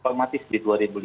kualitas di dua ribu lima